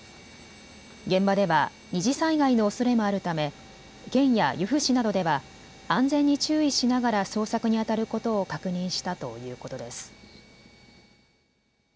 現場では二次災害のおそれもあるため県や由布市などでは安全に注意しながら捜索にあたることを確認したということです。